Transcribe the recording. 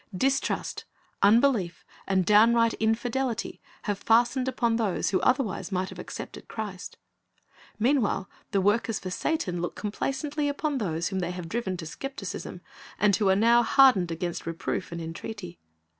Distrust, unbelief, and downright infidelity have fastened upon those who otherwise might have accepted Christ. Meanwhile the workers for Satan look complacently upon those whom they have driven to skepticism, and who are now hardened against reproof and entreaty.